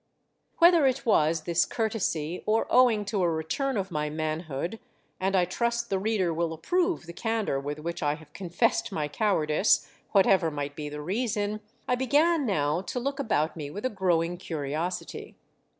Whether it was this courtesy or owing to a return of my manhood — and I trust the reader will approve the candour with which I have confessed my cowardice — whatever might be the reason, I began now to look about me with a growing curiosity.